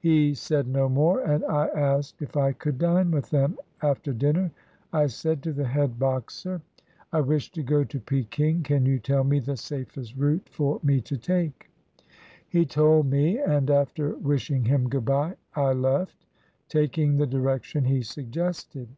He said no more, and I asked if I could dine with them. After dinner I said to the head Boxer, — 244 THE ADVENTURES OF YAO CHEN YUAN "I wish to go to Peking; can you tell me the safest route for me to take?" He told me, and after wishing him good bye I left, taking the direction he suggested.